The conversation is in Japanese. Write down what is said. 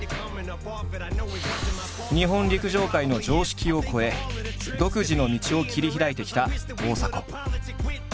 日本陸上界の常識を超え独自の道を切り開いてきた大迫。